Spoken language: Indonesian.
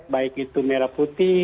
baik itu merah putih